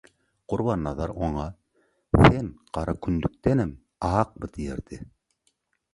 Gurbannazar oňa «Sen gara kündükdenem akmy?» diýerdi.